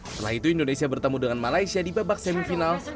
setelah itu indonesia bertemu dengan malaysia di babak semifinal